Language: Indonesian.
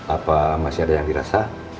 apa masih ada yang dirasa